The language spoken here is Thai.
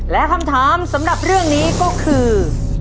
และคำถามสำหรับเรื่องนี้ก็คือ